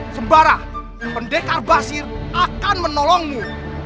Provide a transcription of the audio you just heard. sembarah pendekar basir akan menolongmu